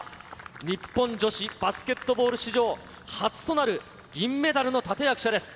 日本女子バスケットボール史上初となる銀メダルの立て役者です。